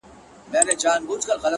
دوى ولاړيږي د رڼا اوبو ته اور اچوي.!